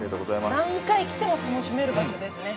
何回来ても楽しめる場所ですね。